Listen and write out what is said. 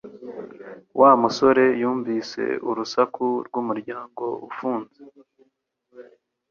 Wa musore yumvise urusaku rw'umuryango ufunze